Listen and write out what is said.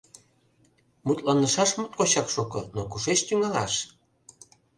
Мутланышаш моткочак шуко, но кушеч тӱҥалаш?